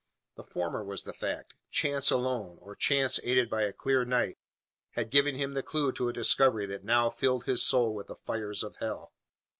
The former was the fact. Chance alone, or chance aided by a clear night, had given him the clue to a discovery that now filled his soul with the fires of hell.